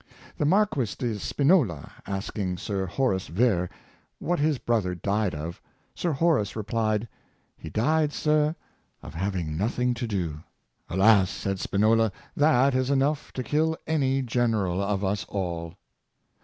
The Marquis de Spinola asking Sir Horace Vere what his brother died of. Sir Horace replied, " He died, sir, of having nothing to do." " Alas! " said Spinola, '^ that is enough to kill any general of us all."